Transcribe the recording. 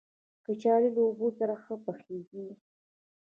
کچالو له اوبو سره ښه پخېږي